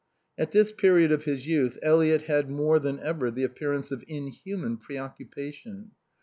At this period of his youth Eliot had more than ever the appearance of inhuman preoccupation.